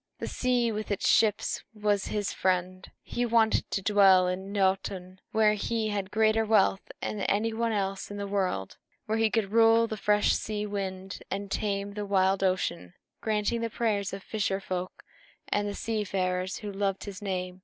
The sea with its ships was his friend, and he wanted to dwell in Noatûn, where he had greater wealth than any one else in the world, where he could rule the fresh sea wind and tame the wild ocean, granting the prayers of fisher folk and the seafarers, who loved his name.